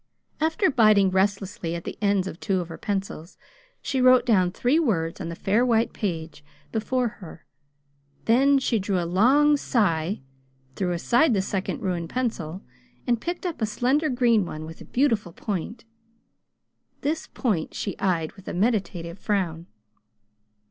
After biting restlessly at the ends of two of her pencils, she wrote down three words on the fair white page before her. Then she drew a long sigh, threw aside the second ruined pencil, and picked up a slender green one with a beautiful point. This point she eyed with a meditative frown.